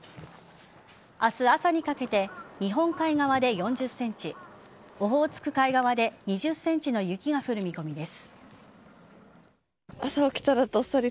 明日朝にかけて日本海側で４０ｃｍオホーツク海側で２０ｃｍの雪が降る見込みです。